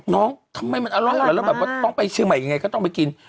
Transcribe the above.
ทำไมมันอร่อยแล้วแบบว่าต้องไปเชียงใหม่ยังไงก็ต้องไปกิน